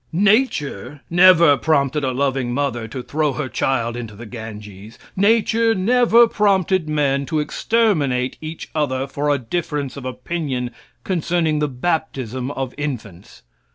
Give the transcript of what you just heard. Nature never prompted a loving mother to throw her child into the Ganges. Nature never prompted men to exterminate each other for a difference of opinion concerning the baptism of infants.